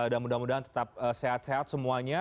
dan mudah mudahan tetap sehat sehat semuanya